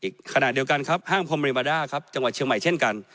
ขณะเดียวกันครับห้างพรมเรมาด้าครับจังหวัดเชียงใหม่เช่นกัน